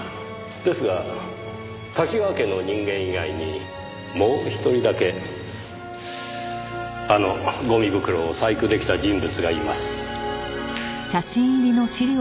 ですが多岐川家の人間以外にもう一人だけあのゴミ袋を細工出来た人物がいます。